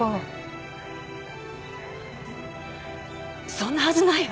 そんなはずないわ。